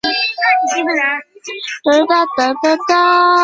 毕业于中央党校函授学院经济管理。